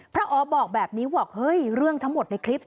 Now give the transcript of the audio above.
อ๋อบอกแบบนี้บอกเฮ้ยเรื่องทั้งหมดในคลิป